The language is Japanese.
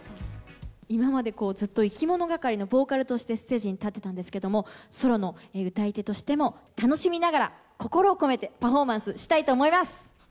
今までずっといきものがかりのボーカルとしてステージに立ってたんですけれども、ソロの歌い手としても、楽しみながら、心を込めてパフォーマンスしたいと思います。